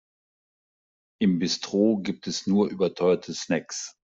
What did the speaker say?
Im Bistro gibt es nur überteuerte Snacks.